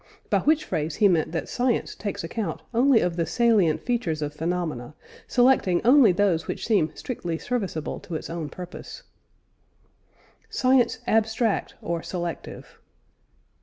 By which phrase he meant that science takes account only of the salient features of phenomena, selecting only those which seem strictly serviceable to its own purpose. SCIENCE "ABSTRACT" OR "SELECTIVE."